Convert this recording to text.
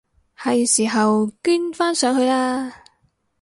係時候捐返上去喇！